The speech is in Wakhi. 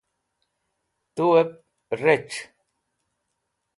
tu'ep rec̃h